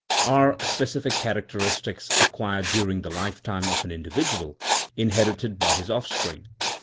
Are specific characteristics, acquired during the lifetime of a/n individual, inherited by his offspring?